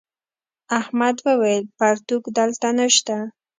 احمد وويل: پرتوگ دلته نشته.